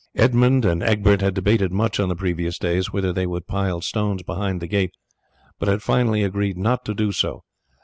Edmund and Egbert had debated much on the previous days whether they would pile stones behind the gate, but had finally agreed not to do so.